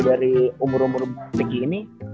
dari umur umur segini